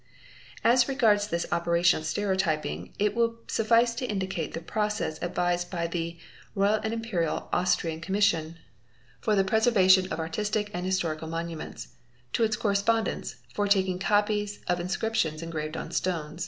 _As regards this operation of stereotyping it will suffice to indicate 1e process advised by the "Royal and Imperial Austrian Commissicn for the preservation of Artistic and Historical Monuments" to its corres is ndents, for taking copies of inscriptions engraved on stone.